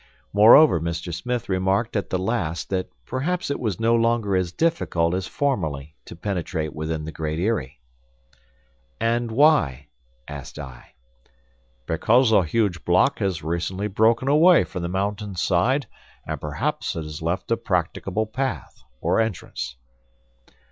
Moreover Mr. Smith remarked at the last that perhaps it was no longer as difficult as formerly to penetrate within the Great Eyrie. "And why?" asked I. "Because a huge block has recently broken away from the mountain side and perhaps it has left a practicable path or entrance."